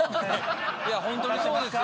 いや本当にそうですよ。